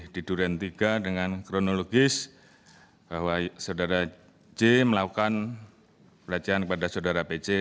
di duren tiga dengan kronologis bahwa saudara j melakukan pelecehan kepada saudara pc